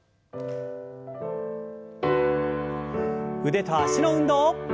腕と脚の運動。